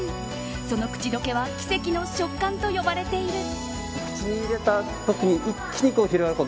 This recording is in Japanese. その口溶けは奇跡の食感と呼ばれている。